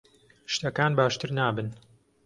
شتەکان باشتر نابن.